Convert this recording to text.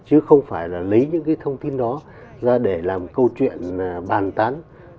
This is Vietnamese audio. chứ không phải là lấy những cái thông tin đó ra để làm câu chuyện bàn tán